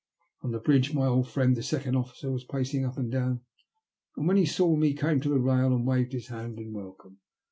On the bridge my old friend the second officer was pacing up and down, and when he saw me he came to the rail, and waved his hand in welcome.